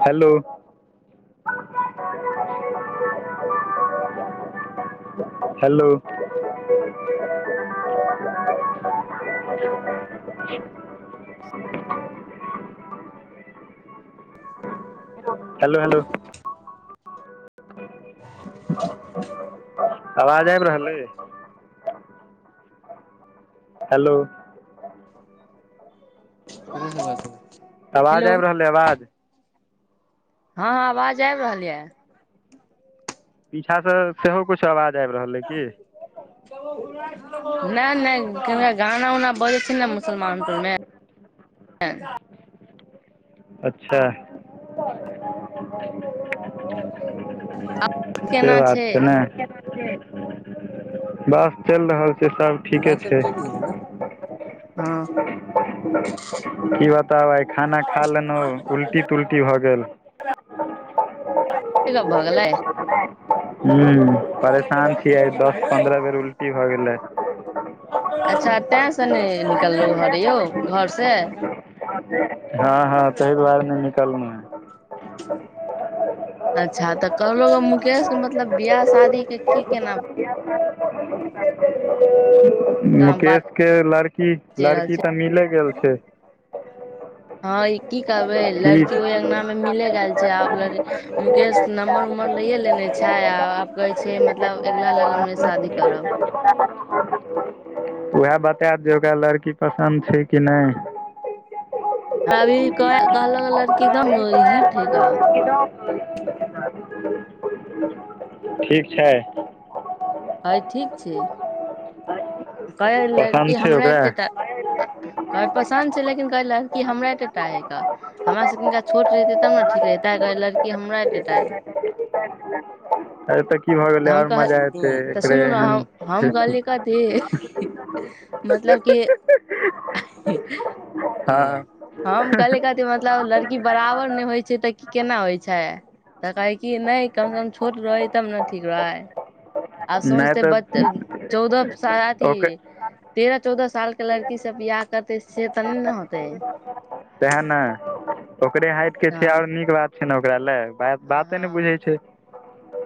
Hello hello [unintelligible] ह hello hello [inaudible] आवाज आबि रहल अए हेलो हेलो आवाज आबि रहल अइ आवाज हँ आवाज आबि रहल य पीछा से सेहो कुछु आवाज आबि रहल यै की नहि नहि केनका गाना उना बजै छैय ने मुसलमान सब मे [unintelligible] अच्छा से केना छै बात छैय ने। बस चलि रहल छैय सब। [unintelligible] सब चली गेलै ने हँ। की बताब आइ खाना खा लेलहु उल्टी तुल्टी भऽ गेल [unintelligible] भऽ गेलै। हूं परेशान छी आय दस पन्द्रह बेर उल्टी भ गेलै। अच्छा तें से नहि निकललहु घरे यौ घर से? हँ हँ तहि दुआरे नहि निकललहु हैं। अच्छा तऽ कहलौग मुकेश के मतलब बियाह शादी के की केना [unintelligible] काम बात मुकेश के लड़की चलि रहल लड़की छै तऽ मिले गेल छैय। [unintelligible] हँ ई की करबै लड़की ओहि अंगनामे मिले गेल छैय आब लर मुकेश नम्बर नंबर लैेये लेने छैय आ आब कहै छैय मतलब अगिला लगनमे शादी करब। [unintelligible] वैहे बता दियौ ओकरा लड़की पसन्द छैय कि नहि। अभी कह कहलक लड़की एकदम हिट हइ का [unintelligible] ठीक छैय। आइ ठीक छैय। पसन्द छैय हमरा ओकरा? एते टा कहै पसन्द छै लेकिन कहै लड़की हमरा एतेटा हइ का हमरा से [unintelligible] कनिका छोट रहितै तब ने ठीक रहितै कहै लड़की हमरा एतेटा हइ [unintelligible] आरे तऽ की भऽ गेलै हम आओर कह मजा एतै तऽ एकरे सुनू ने एहन हम हम कहलियै कथी मतलब कि हँ हम कहलै कथी मतलब लड़की बराबर नै होइ छैय तऽ की केना होइ छैय? त कहै कि नहि कम से कम छोट रहै तब न ठीक रहै। आब नहि सोचतै तऽ ब चौदह अथी ओकर तेरह चौदह साल के लड़की की स बियाह करतै से त नहि ने होतै। सैह ने ओकरे हाइटके छैय हँ और नीक बात छैय ने ओकरा ल। हँ बाते नहि हँ बुझै छैय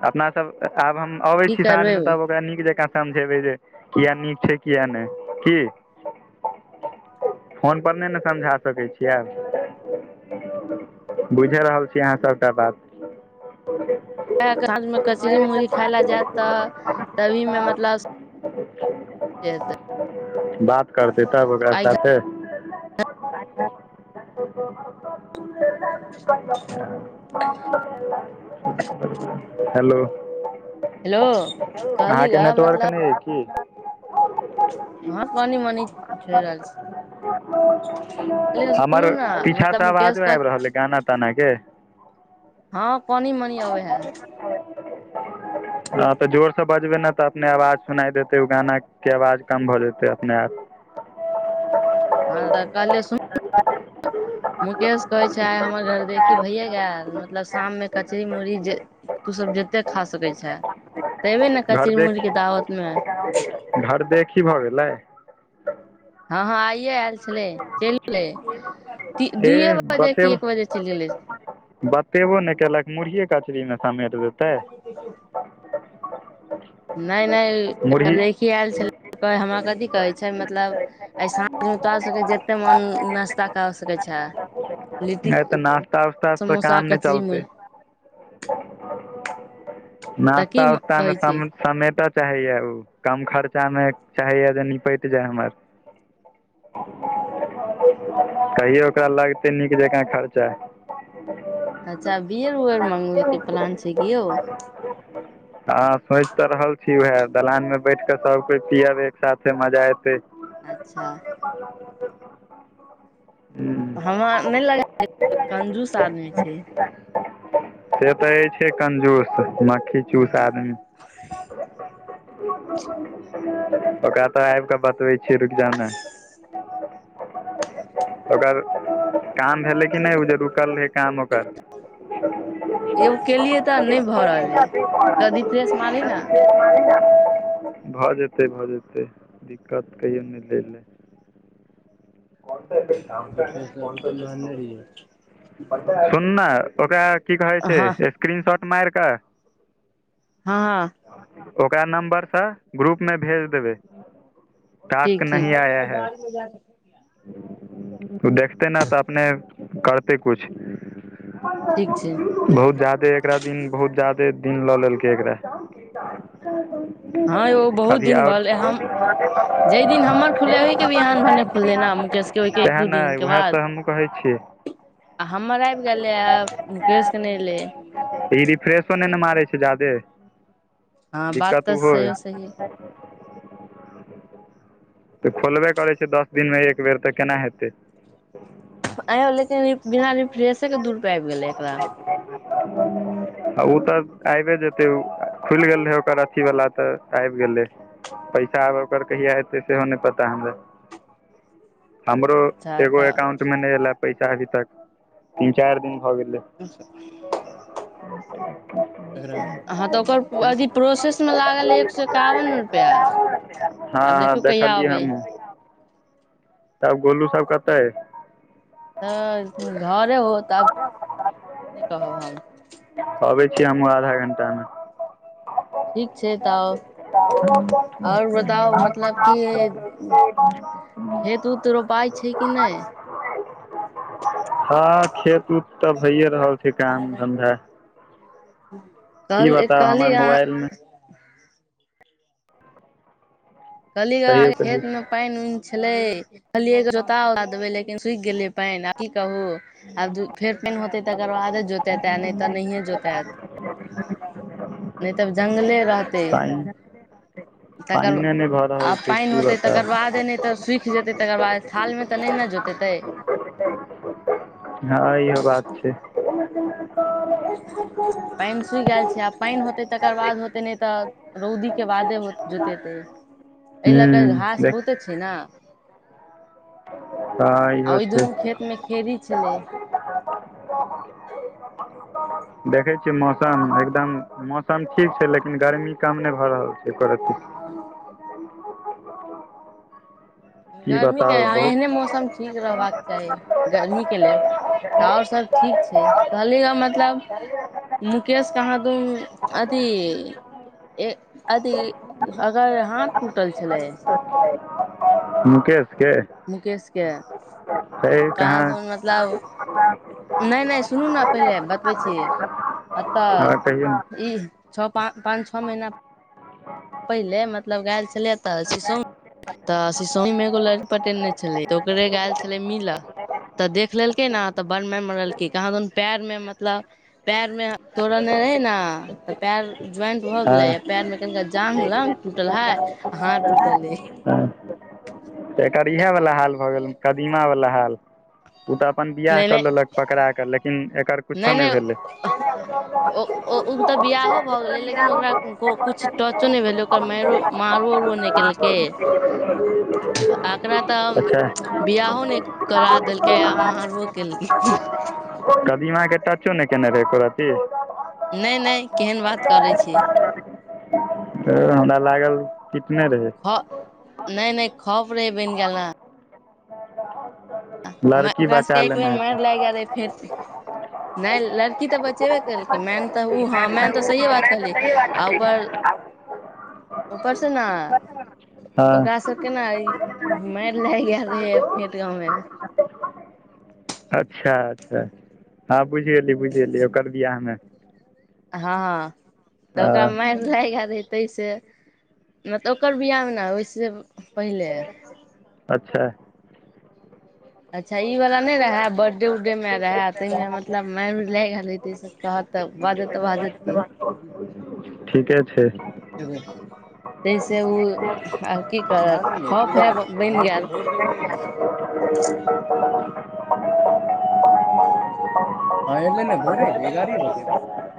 अपना सब आब हम अबै की छी साँझ करबै मे तब त नीक जकाँ समझेबै जे किया नीक छै किया नहि कि? फोन पर नहि ने समझा सकैत छी। बुझि रहल छीयै अहाँ सबटा बात। साँझ मे कचरी मुुरही खाय लए जायत तऽ तभी [unintelligible] [unintelligible] से [unintelligible] बात करतै तब ओकरा साथे। [unintelligible] [unintelligible] हेलो हेलो कहली अहाँके ग नेटवर्क मतलब नै अय की? हँ कनी मनी छैय [unintelligible] सुनू हमर ने पीछा मतलब से मुकेश आवाजो कहत आबि रहलया गाना ताना के? हँ कनि मनि अबैहा। हँ त जोर से बजबै ने त अपने आवाज सुनाइ देतै ओ गानाके आवाज कम भ जेतै अपने आप। हँ तकहलिये सुन ह मुकेश कहै छै आइ हमर घर देखी भैए गेल मतलब शाममे कचरी मुरही जे तू सब जते खा सकैत छे तऽ अयबे ने कचरी घर देख मुरही के दावत मे घर देखीह भगेलै हँ हँ आइए आयल छलै चलि गेलै दुइए एह बजे की एक बजे चलि गेलै छै तेबो नहि केलक मुरहि कचरी मे समेट देतै नय नय घर मुरही देखी आयल छलै हमरा कथी कहै छै नहि मतलब आय साँझ मे तोरा सब‌ के जते मन नाश्ता क सकै छ लिट्टीेक तऽ नास्ता उस्ता से समोसा काम नहि कचरी मु चलतै तऽ की नास्ता कहै उस्तामे छै सम समेट चाहैय ऊ कम खर्चामे चाहैय जे निपैत जाय हमर कहियो ओकरा लगतै नीक जकाँ खर्चा अच्छा बियर उअर मंगबय के प्लान छै कि यौ आ हँ सोचि तऽ रहल छी उएह दलान मे बैठ कऽ सभकोय पियब एक सााथे मजा एतै अच्छा हू हमरा नहि लगे कंजूस आदमी छै से तऽ अय छै कंजूस मक्खी चूस आदमी [unintelligible] ओकरा तऽ आबि कऽ बतबै छीयै रुइक जौ न ओकर काम भेलै कि नय ओ जे रुकल रहै काम ओकर [inaudible] एगो केलियै तऽ नहि भऽ रहल यै क रिफ्रेश मारी न भ जेतै भऽ जेतै दिक्कत कहियो नय लैल काम का है रिफ्रेश अभी तऽ मारने रहियै सुन ना ओकरा की कहै छै हँ स्क्रीन शाउट मेर कऽ हँ ओकरा नम्बरसे ग्रुपमे भेज देबै टास्क नही आया है ह ओ देखते न त अपने करते कुछ ठीक छै बहुत जयादे एकरा दिन बहुत जायदे दिन ल लेलकै एकरा ह, यो बहुत अभी दिन भऽ गेले हम आओर जय दिन हमर खुलै ओहि के बिहान भने खुलले न मुकेश के ओहिके एक सएह दू ने दिन के उएह बाद तऽ हमहूँ कहै छियै आ हमर आबि गेलै आ मुकेश के ने एले ई रिफ्रेशो नहय ने मारै छै जादे हँ बात दिक्कत तऽ ओहो हइ सेहो सही [inaudible] त खोलबे करै छै दस दिनमे एक बेर त केना हेतै आइयौ लेकिन बिना रिफ्रेेशेके दू रुपये आबि गेलै एकरा आ ओ तऽ आबए जेतै खुलि गेल रहै ओकर अथी वला त आबि गेलै पैसा आभ ओकर कहिया एतै सेहो‌ नहि पता हमरा हमरो अच्छा एगो तऽ एकाउंट मे नइ एले पैसा अभी तक तीन चारि दिन भ गेलै [inaudible] एकरा अच्छा हँ त ओकर अथी प्रोसेसमे लागल एक सए एकावन रुपैआ हँ आब हँ देखियौ कहिया देखलियै अबै हमहच तब गोलू सब कते तऽ घरे होत आब नय कहब हम अबै छी हमहूँ आधा घंटामे ठीक छै तऽ और आओर बताउ मतलब बता कि खेत उत रोपाइ छै कि नहि [inaudible] हँ खेत उत तऽ भइए रहल छै काम धन्धा की कल बताउ कलहि हमर य मोबाइलमे कहली अहां कहियौ के कहियौ खेतमे पानि उनि छलै कहलियै एगो जोता उता देबे लेकिन सुखि गेलै पानि आ की कहु आब फेर पानि होतै तकर बादे जोतेतै नइ तऽ नहियए जोतैत नहि तऽ जंगले रहतै पानि तकरल [unintelligible] पानिए नहि भऽ आ रहल छै पानि की होतै तकर बताउ बादे नइ तऽ सुखि जेतै तकर बाद थाल मे तऽ नइ ने जोतेतै हँ इहो बात छै पानि सुख गेल छै आ पानि होतै तकर बाद होतै नइ तऽ रौदी के बादे जोतेते एहि लऽ कऽ घास देख बहुते छै ने हँ आ इहो ओइ दुनू खेत मे खेरी छलै आ देखै छियै मौसम एकदम मौसम ठीक छै लेकिन गर्मी कम नइ भऽ रहल छै ई करत [unintelligible] गर्मी के ह एहने मौसम ठीक रहबाक चाही गर्मी के लेल तऽ और सब ठीक छै कहली हमऽ मतलब मुकेश कहाँ दुनु अथी बहुत एक अथी अगर हाथ टूटल छलै मुकेश के मुकेशके हँ कहाँ दून मतलब अ [inaudible] नइ नइ सुनू ने पहिले बतबै छी एतऽ आओर कहियौ ई छ पाँ पाँच छः महीना पहिले मतलब गायल छलै तऽ शौं तऽ सिसोम मे एगो लड़की पटेने छलै तऽ ओकरे गायल छलै मीले तऽ देख लेलकै ने तऽ बड़ मैर मरलकै कहाँ दन पैर में मतलब पैर मे तोड़ने रहै ने तऽ पैर ज्वइंट भऽ गेलै हँ आ पैरमे कनिका जाँघ लग टूटल है आ हाथ टूटलै है हँ तऽ एकर इहे बाला हाल भऽ गेल कदीमा बाला हाल ओ तऽ अपन बियाह कऽ लेलक पकड़ाक लेकिन एकर नइ किछो नइ नहि भेलै ओ हे ओ तऽ बियाहो भऽ गेलै लेकिन ओकरा कुछ टचो नहि भेल ओकरा मायरो मारबो उरबो नइ केलकै एकरा तऽ अच्छा बिआहो नइ करा देलकै आ मारबो केलकै कदीमाक के टचो नहि कयने रहै एको रति नहि नहि केहन बात करै छि तैं हमरा लागल पिटने रहै ख नहि नहि खप रहे बनि गेल ने [inaudible] लड़की ओकरा बचा सभके एक बेर लेने मारि हेतै लागि जा गेल रहै फेर नइ लड़की तऽ बचेबे केलकै मैन तऽ ओ हँ मैन तऽ सहिेए बात कहली आ ऊपर ऊपर सँ ना ओकरा हँ सब केना मारि लागि गेल रहे फेट गाँवमे अच्छा अच्छा हँ बुझि गेली बुझि गेली ओकर बियाहमे हँ तऽ ओकरा हँ माइर याद हइ तइ से मतलब ओकर बिआहमे ना ओइसे पहिले अच्छा अच्छा ई वाला नहि रहे बर्डे उर्डे मे रहे ताहि मे मतलब मारि उरी लागे गेल हेतय कहत तऽ बाजत तऽ बाजत की ठीके छै [unintelligible] तहिसे उ आ की करब ख बनि गेल [unintelligible] हँ एलै ने भोरे एले एगारहे बजे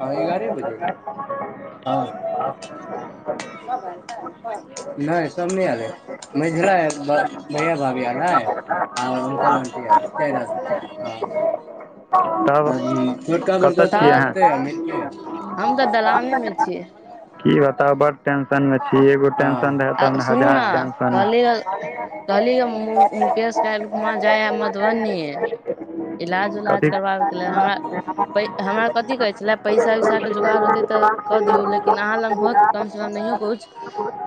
हँ एगारहे बजे हँ [unintelligible] नई सब नई आयल हे मझिला [unintelligible] भैया भाभी एल है [unintelligible] तब आ छोटका कतऽ छियै अहाँ बड़काथर हम तऽ दलान मे छीयै की बताउ बड टेंशन मे छी एगो हँ टेंशन रहे आ तब सुनू हजार ने टेंशन कहली कहली ह मु-मुकेश काईल खुमा जाइ हे मधुबनी इलाज उलाज कथी करबाबयके ल लेल हमरा पै हमरा कथी कहै छला पैसा वैसाके जोगार होतै तऽ कऽ दियौ लेकिन अहाँ लग होत कमसँ कम नहियो कुछ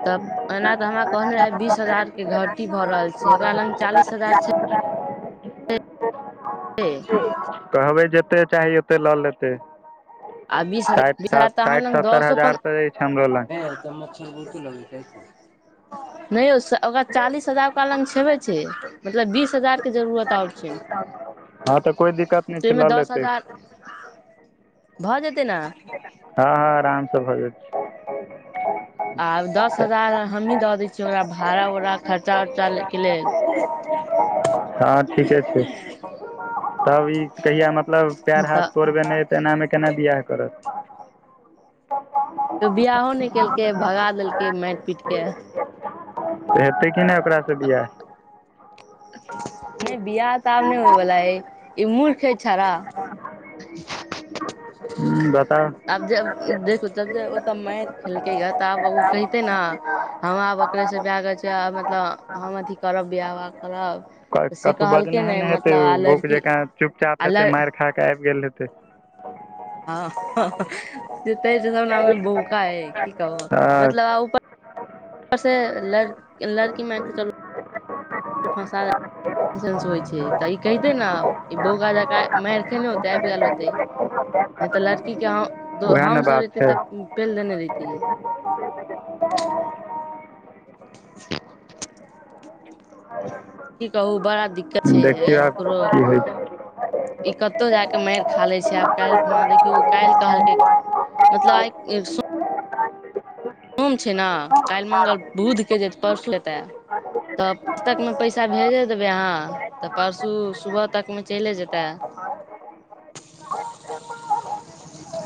तऽ एना ते हमरा कहनेे बीस हजार के घटी भ रहल छै ओकरा लग चालीस हजार छै [inaudible] [unintelligible] कहबै जतेक चाही ओतेक लऽ लेतै आ बीस ह साठि बीस हजार सात तऽ अहां साठि लग सत्तर दसो पन हजार तऽ अछि हमरो लग [unintelligible] [unintelligible] नहि ओ स ओकरा चालीस हजार ओकरा लग छेबे छै हँ मतलब बीस हजार के जरूरत और छै हँ तऽ कोइ दिक्कत नहि छै ताहिमे लऽ दस लेतै हजार भऽ जेतै ना हँ हँ आरामसँ भऽ जेतय आब दस तऽ हजार हमही दऽ दै छियै ओकरा भाड़ा उड़ा खर्चा उर्चा के लेल हँ ठीके छै तब ई कहिया मतलब पैर हाथ तऽ तोड़बेने तेना मे केना बिआह करत [unintelligible] त बियाहो नई केलकै भगा देलकै मैर पीट के हेतै कि नहि ओकरासँ बिआाह नइ बियाह तऽ आब नइ होय बाला हई ई मूर्ख है छौड़ा हूं बताउ आब जब देखू जब जे ओतऽ मैर खेलकै गा तऽ आब ओ कैहते ने हम आब अकरेसँ ब्याह रचाएब मतलब हम अथी करब बिआह बाह करब क तऽ से कतो कहलकै बजनेहे नहि ने हेतै मतलब ओ आ बोक लड़की जॆकाँ आ चुपचाप हेतै लड़ मारि खा कऽ आबि गेल हेतै ह से ते स तऽ मे बोला हेई की कहु मतलब आ उपर से लड़ लड़की मैन के चलू फँसा सेंस होइ छै तऽ ई कहिते नऽ ई बौका जेकां मारि खेने होते आबि गेल होते नहि तऽ लड़की के उएह ने हम सब बात रहती छै तऽ पेल देने रैहतिये [inaudible] [inaudible] की कहू बड़ा दिक्कत छै देखियौ आब एकरो की होइ छै ई कतौ जाके मारि खा लै छै आब काल्हि खुना देखियौ काइल कहलकै मतलब आय ए सो छै नऽ कैल मंगल बूध के जेत परसू एतै तब तकमे पैसा भेजे देबै अहाँ तऽ परसू सुबह तकमे चइले जेतै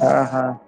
हँ हँ